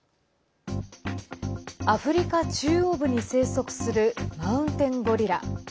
アフリカ中央部に生息するマウンテンゴリラ。